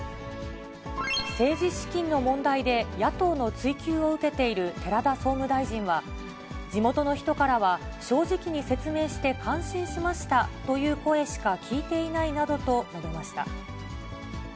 政治資金の問題で、野党の追及を受けている寺田総務大臣は、地元の人からは、正直に説明して感心しましたという声しか聞いていないなどと述べました。